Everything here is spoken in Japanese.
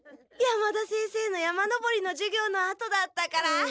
山田先生の山登りの授業の後だったから。